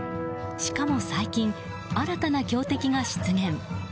しかも最近、新たな強敵が出現。